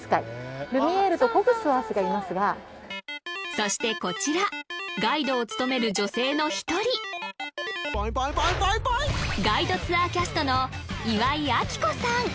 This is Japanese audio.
そしてこちらガイドを務める女性の一人ガイドツアーキャストの岩井亜季子さん